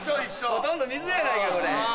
ほとんど水やないかこれ。